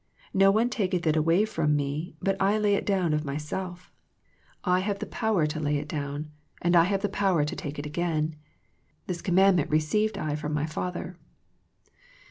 Ko one taketh it away from Me, but I lay it down of Myself. 1 have power to lay 80 THE PEACTICE OF PEAYER it down, and I have power to take it again. This commandment received I from My Father."